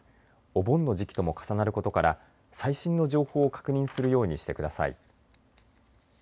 お盆の時期とも重なることから最新の情報を確認するようにしてください。